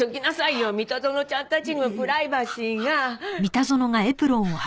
三田園ちゃんたちにもプライバシーが。